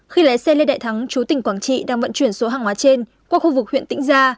khi lái xe lê đại thắng chú tỉnh quảng trị đang vận chuyển số hàng hóa trên qua khu vực huyện tĩnh gia